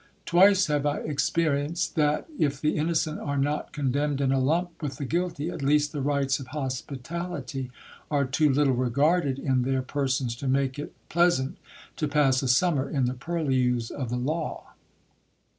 Twice have I experi enced that if the innocent are not condemned in a lump with the guilty, at least the rights of hospitality are too little regarded in their persons to make it plea sant to pass a summer in the purlieus of the law.